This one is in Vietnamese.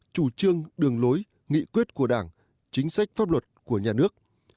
chủ trương đường lối nghị quyết của đảng chính sách pháp luật của nhà nước